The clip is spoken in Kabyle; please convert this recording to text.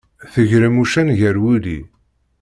Tegrem uccen gar wulli.